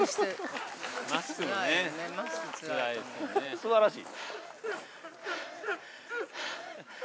すばらしい。